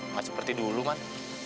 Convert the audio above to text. nggak seperti dulu man